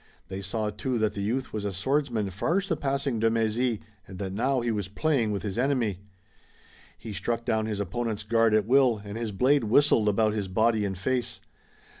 They saw, too, that the youth was a swordsman far surpassing de Mézy and that now he was playing with his enemy. He struck down his opponent's guard at will, and his blade whistled about his body and face.